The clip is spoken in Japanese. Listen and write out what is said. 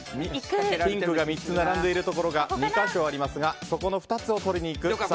ピンクが３つ並んでいるところが２か所ありますがそこの２つを取りにいく。